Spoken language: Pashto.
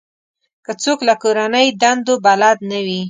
که څوک له کورنۍ دندو بلد نه وي.